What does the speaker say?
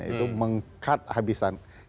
itu mengkat habisan